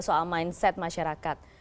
soal mindset masyarakat